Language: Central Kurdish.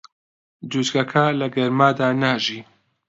جوچکە لە گەرمادا ناژی.